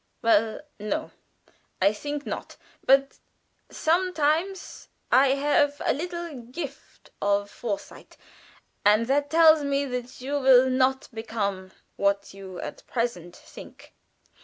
"Well, no, I think not. But sometimes I have a little gift of foresight, and that tells me that you will not become what you at present think.